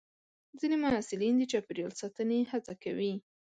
ځینې محصلین د چاپېریال ساتنې هڅه کوي.